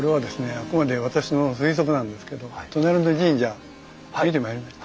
あくまで私の推測なんですけど隣の神社見てまいりました？